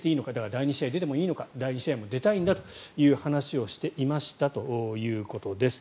第２試合も出ていいのか第２試合も出たいんだという話をしていましたということです。